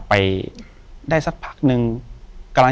อยู่ที่แม่ศรีวิรัยิลครับ